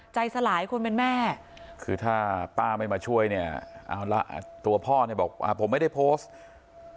ใจสลายคนเป็นแม่คือถ้าป้าไม่มาช่วยเนี่ยเอาละตัวพ่อเนี่ยบอกผมไม่ได้โพสต์